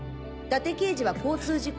伊達刑事は交通事故。